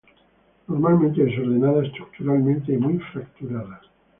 Normalmente desordenada estructuralmente y muy fracturada.